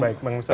baik bang ustari